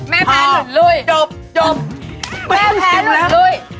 แม่แพ้นหลุดเลย